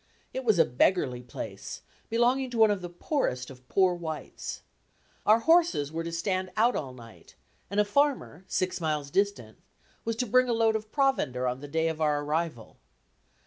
It was a beggarly place, belonging to one of the poorest of "poor whites." Our horses were to stand out all night, and a farmer, six miles distant, was to bring a load of provender on the day of our arrival.